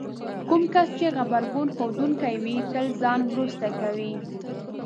کوم کس چې غبرګون ښودونکی وي تل ځان وروسته کوي.